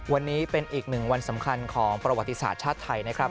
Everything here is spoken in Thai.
วันนี้เป็นอีกหนึ่งวันสำคัญของประวัติศาสตร์ชาติไทยนะครับ